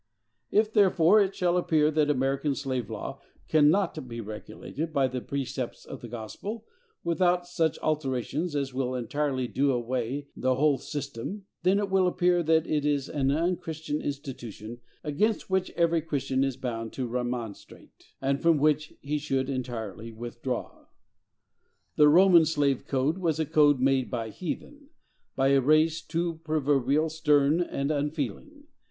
If, therefore, it shall appear that American slave law cannot be regulated by the precepts of the gospel, without such alterations as will entirely do away the whole system, then it will appear that it is an unchristian institution, against which every Christian is bound to remonstrate, and from which he should entirely withdraw. The Roman slave code was a code made by heathen,—by a race, too, proverbially stern and unfeeling.